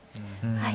はい。